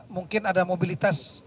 mungkin ada mobilitas